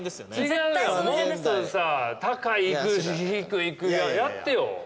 違うもっとさ高いいく低いいくやってよ。